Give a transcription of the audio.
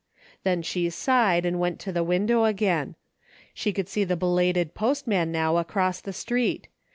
Then she sighed and went to the window again. She could see the belated postman now across the street.